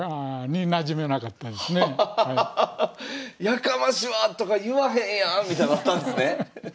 「やかましいわ！」とか言わへんやんみたいのあったんですね？